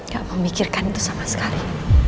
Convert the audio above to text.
yang memikirkan itu sama sekali